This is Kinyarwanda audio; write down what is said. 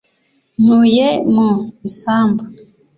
Ntuye mu isambu